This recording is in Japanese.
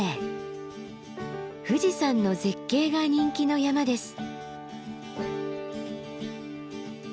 富士山の絶景が人気の山です。